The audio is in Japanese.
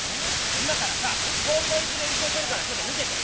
今から合コン行く練習するから、ちょっと見てよ。